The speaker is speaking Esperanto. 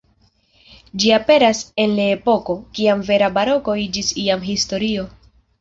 Ĝi aperas en le epoko, kiam vera baroko iĝis jam historio.